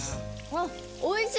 あっおいしい。